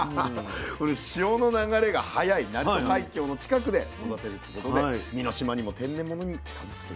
潮の流れが速い鳴門海峡の近くで育てることで身の締まりも天然物に近づくということなんです。